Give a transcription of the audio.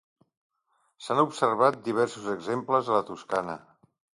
S'han observat diversos exemples a la Toscana.